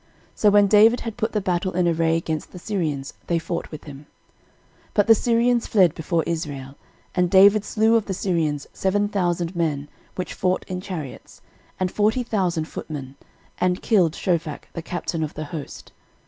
So when David had put the battle in array against the Syrians, they fought with him. 13:019:018 But the Syrians fled before Israel; and David slew of the Syrians seven thousand men which fought in chariots, and forty thousand footmen, and killed Shophach the captain of the host.